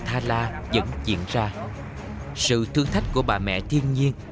hãy đăng ký kênh để ủng hộ kênh của mình nhé